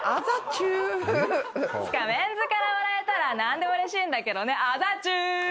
つうかメンズからもらえたら何でもうれしいんだけどね。